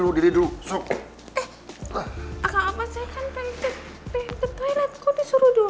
kok disuruh duduk lagi